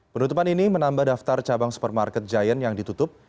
penutupan ini menambah daftar cabang supermarket giant yang ditutup